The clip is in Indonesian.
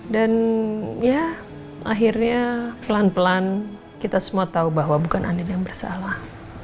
dan akhirnya pelan pelan kita semua tahu bahwa bukan andin yang bersalah